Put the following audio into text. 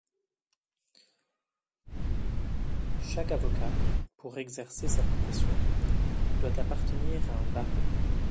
Chaque avocat, pour exercer sa profession, doit appartenir à un barreau.